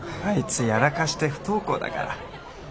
あいつやらかして不登校だから。